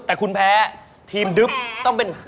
แต่คุณแพ้ทีมดึ๊บต้องเป็น